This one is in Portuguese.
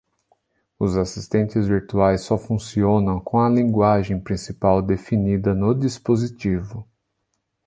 Os assistentes virtuais só funcionam com a linguagem principal definida no dispositivo.